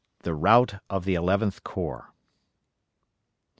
THE ROUT OF THE ELEVENTH CORPS.